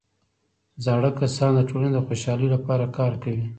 زاړه کسان د ټولنې د خوشحالۍ لپاره کار کوي